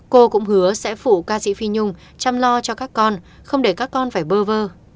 cô cũng hứa sẽ phụ ca sĩ phi nhung chăm lo cho các con không để các con phải bơ vơ